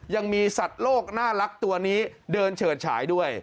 ยังมีสัตว์โลกน่ารักตัวนี้เดินเฉิดฉายด้วย